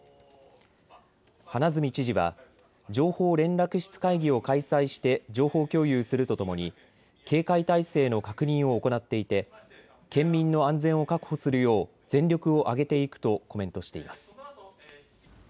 花角知事は情報連絡室会議を開催して情報共有するとともに警戒態勢の確認を行っていて県民の安全を確保するよう全力を挙げていくとコメントしています。